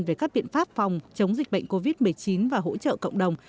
về các biện pháp phòng chống dịch bệnh covid một mươi chín và hỗ trợ cộng đồng